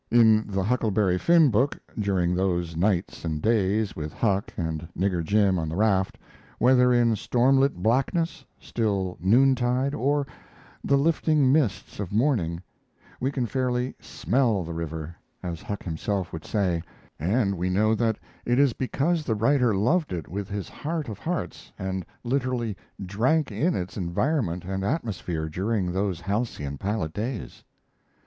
In the Huckleberry Finn book, during those nights and days with Huck and Nigger Jim on the raft whether in stormlit blackness, still noontide, or the lifting mists of morning we can fairly "smell" the river, as Huck himself would say, and we know that it is because the writer loved it with his heart of hearts and literally drank in its environment and atmosphere during those halcyon pilot days.